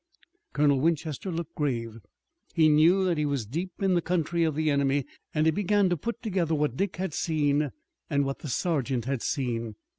Colonel Winchester looked grave. He knew that he was deep in the country of the enemy and he began to put together what Dick had seen and what the sergeant had seen.